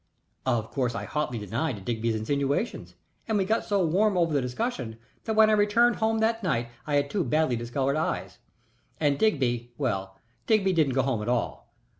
Of course I hotly denied Digby's insinuations, and we got so warm over the discussion that when I returned home that night I had two badly discolored eyes, and Digby well, Digby didn't go home at all.